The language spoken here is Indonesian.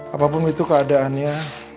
apapun itu keadaannya